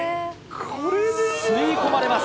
吸い込まれます。